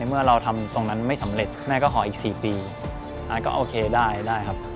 เมื่อเราทำตรงนั้นไม่สำเร็จแม่ก็ขออีก๔ปีอาร์ตก็โอเคได้ได้ครับ